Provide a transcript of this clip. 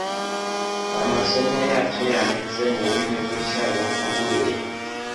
amasomo yacyo yanditse mu buryo bushya buvuguruye